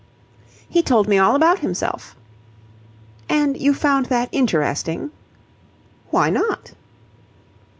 "He told me all about himself." "And you found that interesting?" "Why not?"